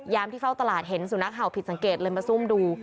ที่เข้าตลาดเห็นสุนัขเห่าผิดสังเกตเลยมาซุ่มดู